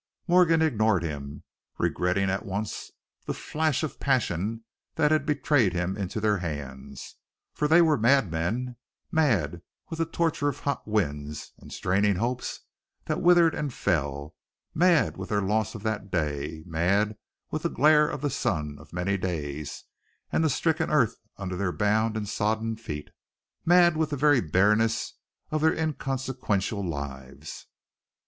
Morgan ignored him, regretting at once the flash of passion that had betrayed him into their hands. For they were madmen mad with the torture of hot winds and straining hopes that withered and fell; mad with their losses of that day, mad with the glare of sun of many days, and the stricken earth under their bound and sodden feet; mad with the very bareness of their inconsequential lives.